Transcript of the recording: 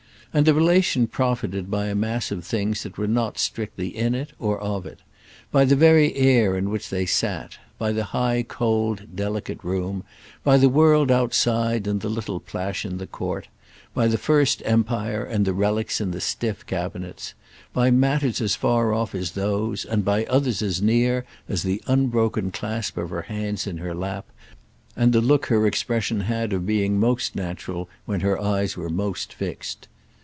And the relation profited by a mass of things that were not strictly in it or of it; by the very air in which they sat, by the high cold delicate room, by the world outside and the little plash in the court, by the First Empire and the relics in the stiff cabinets, by matters as far off as those and by others as near as the unbroken clasp of her hands in her lap and the look her expression had of being most natural when her eyes were most fixed.